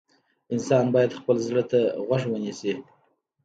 انسان باید خپل زړه ته غوږ ونیسي.